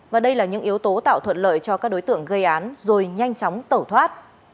và đây là những yếu tố tạo thuận lợi cho các đối tượng gây án rồi nhanh chóng tẩu thoát